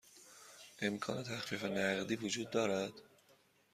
امکان تخفیف نقدی وجود دارد؟